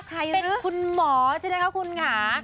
หายรึคุณหมอใช่ไหมคะคุณหงา